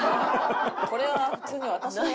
これは普通に私が。